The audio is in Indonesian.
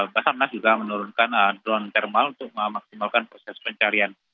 basarnas juga menurunkan drone thermal untuk memaksimalkan proses pencarian